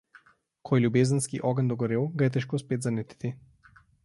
Ko je ljubezenski ogenj dogorel, ga je težko spet zanetiti.